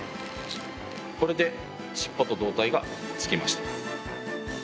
これで尻尾と胴体がくっつきました。